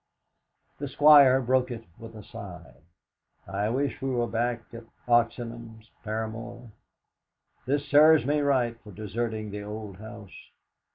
The Squire broke it with a sigh. "I wish we were back at Oxenham's, Paramor. This serves me right for deserting the old house.